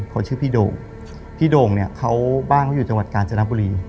เขาชื่อพี่โด่งพี่โด่งเนี่ยเขาบ้านเขาอยู่จังหวัดกาญจนบุรี